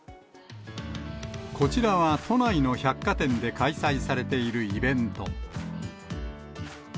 こちらは都内の百貨店で開催されているイベント。